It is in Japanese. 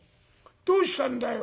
どうしたんだよ」。